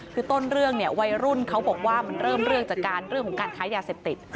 คือต้นเรื่องวัยรุ่นเขาบอกว่ามันเริ่มเรื่องจากการขายยาเสพติด